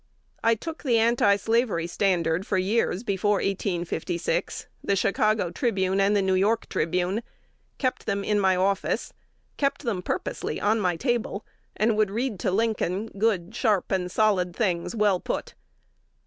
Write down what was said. I took 'The Anti slavery Standard' for years before 1856, 'The Chicago Tribune,' and 'The New York Tribune;' kept them in my office, kept them purposely on my table, and would read to Lincoln good, sharp, and solid things well put.